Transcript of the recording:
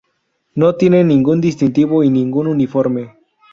No tienen ningún distintivo y ningún uniforme.